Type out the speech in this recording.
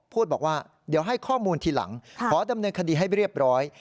พูดบอกว่าเดี๋ยวให้ข้อมูลทีหลังขอดำเนินคดีให้เรียบร้อย